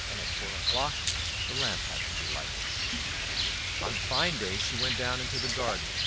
At four o'clock the lamp had to be lighted. On fine days she went down into the garden.